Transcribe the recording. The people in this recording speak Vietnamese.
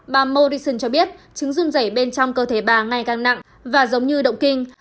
bà morrison cho biết chứng dung dẩy bên trong cơ thể bà ngày càng nặng và giống như động kinh